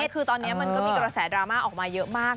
คือตอนนี้มันก็มีกระแสดราม่าออกมาเยอะมาก